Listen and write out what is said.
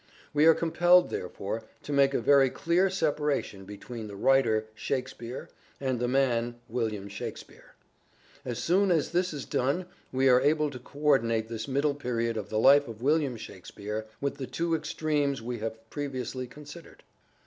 We are compelled, therefore, to make a very clear separation between the writer " Shakespeare " and the man William Shakspere. As soon as this is done we are able to co ordinate this middle period of the life of William Shakspere with the two extremes we have previously considered.